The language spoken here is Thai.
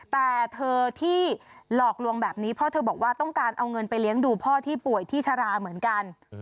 แต่เธอที่หลอกลวงแบบนี้เพราะเธอบอกว่าต้องการเอาเงินไปเลี้ยงดูพ่อที่ป่วยที่ชราเหมือนกัน